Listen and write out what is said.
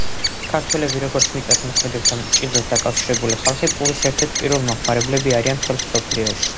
ქართველები როგორც მიწათმოქმედებასთან მჭიდროდ დაკავშირებული ხალხი, პურის ერთ-ერთი პირველი მომხმარებლები არიან მთელს მსოფლიოში.